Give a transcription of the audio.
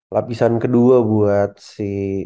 lapisan kedua buat si